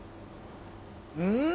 うん！